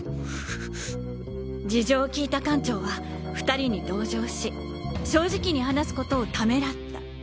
事情を聞いた館長は２人に同情し正直に話す事をためらった。